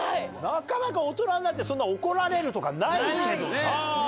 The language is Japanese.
なかなか大人になってそんな怒られるとかないけどな。